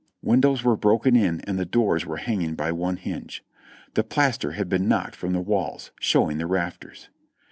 Windows were broken in and the doors were hanging by one hinge ; the plaster had been knocked from the walls, showing the rafters.